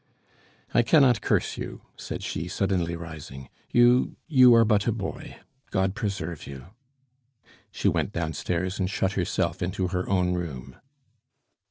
"I cannot curse you," said she, suddenly rising. "You you are but a boy. God preserve you!" She went downstairs and shut herself into her own room.